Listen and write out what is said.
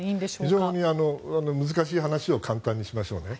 非常に難しい話を簡単にしましょうね。